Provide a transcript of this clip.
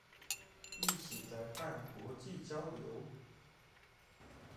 一起來辦國際交流？